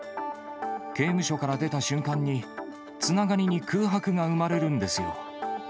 刑務所から出た瞬間に、つながりに空白が生まれるんですよ。